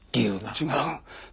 違う。